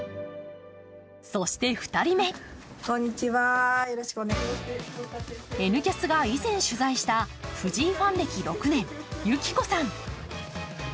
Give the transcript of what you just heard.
そして、２人目「Ｎキャス」が以前取材した藤井ファン歴６年、ゆきこさん。